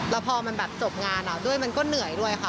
แล้วพอมันแบบจบงานด้วยมันก็เหนื่อยด้วยค่ะ